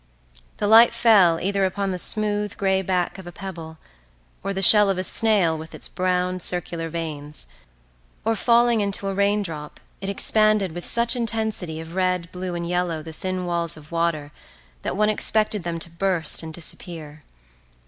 The light fell either upon the smooth, grey back of a pebble, or, the shell of a snail with its brown, circular veins, or falling into a raindrop, it expanded with such intensity of red, blue and yellow the thin walls of water that one expected them to burst and disappear.